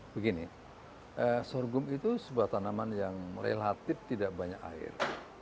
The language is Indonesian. begini sorghum itu sebuah tanaman yang relatif tidak banyak air